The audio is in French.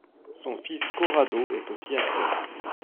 Son fils Corrado est aussi acteur.